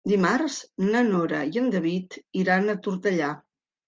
Dimarts na Nora i en David iran a Tortellà.